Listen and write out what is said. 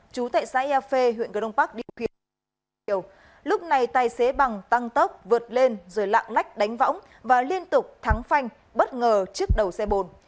chú tại xã yafê huyện cửa đông bắc điêu khiêu lúc này tài xế bằng tăng tốc vượt lên rồi lạng lách đánh võng và liên tục thắng phanh bất ngờ trước đầu xe bồn